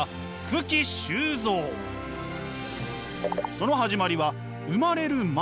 その始まりは生まれる前。